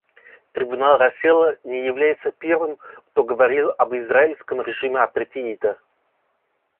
Трибунал Рассела не является первым, кто говорил об израильском режиме апартеида.